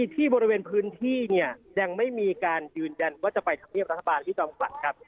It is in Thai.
ที่บริเวณพื้นที่เนี่ยยังไม่มีการยืนยันว่าจะไปทำเนียบรัฐบาลพี่จอมขวัญครับ